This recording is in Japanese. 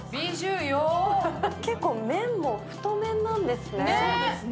結構、麺も太麺なんですね。